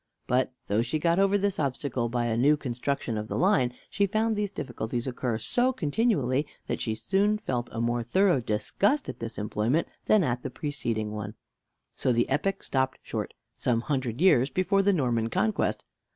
But, though she got over this obstacle by a new construction of the line, she found these difficulties occur so continually that she soon felt a more thorough disgust at this employment than at the preceding one. So the epic stopped short, some hundred years before the Norman conquest.